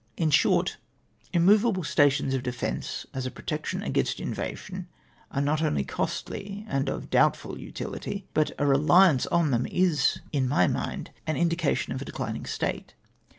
In short, immovable stations of defence as a pro tection against invasion, are not only costly and of doubtful utdity, but a reliance on them is, in my nund, an indication of a declimng state.